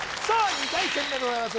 ２回戦目でございます